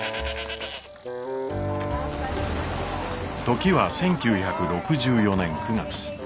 時は１９６４年９月。